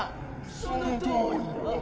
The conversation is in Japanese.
そのとおりだ。